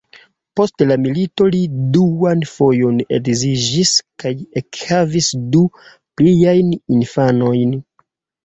Post la milito li duan fojon edziĝis kaj ekhavis du pliajn infanojn.